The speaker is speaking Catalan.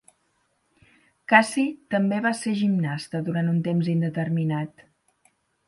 Cassie també va ser gimnasta durant un temps indeterminat.